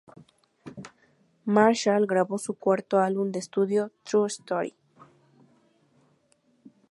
Marshall grabó su cuarto álbum de estudio "Tru Story!